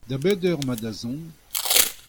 Da bet eur emañ da zont ?